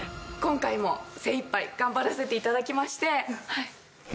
今回も精いっぱい頑張らせて頂きまして。